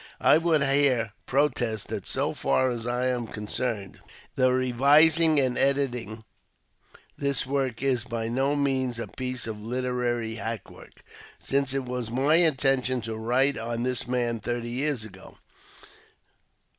I would here protest that so far as I am concerned, the revising and editing this work is by no means a piece of literary hack work, since it was my intention to write on this man thirty years ago.